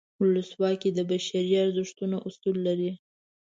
ولسواکي د بشري ارزښتونو اصول لري.